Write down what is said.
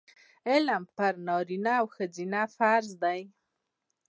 علم پر نر او ښځي فرض دی